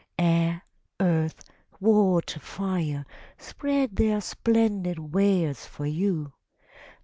Air, earth, water, fire, spread their splendid wares for you.